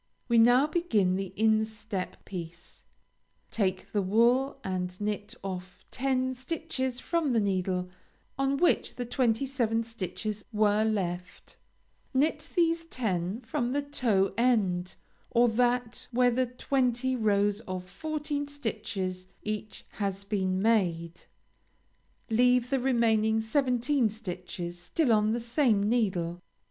We now begin the instep piece. Take the wool and knit off ten stitches from the needle on which the twenty seven stitches were left; knit these ten from the toe end, or that where the twenty rows of fourteen stitches each has been made; leave the remaining seventeen stitches still on the same needle.